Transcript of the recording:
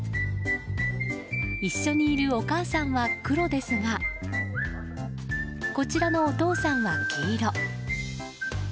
一緒にいるお母さんは黒ですがこちらのお父さんは黄色。